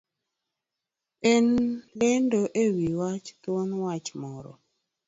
En lendo ewi wach thuon wach moro.